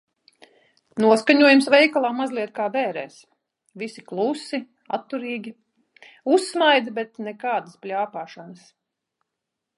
Noskaņojums veikalā mazliet kā bērēs. Visi klusi, atturīgi. Uzsmaida, bet nekādas pļāpāšanas.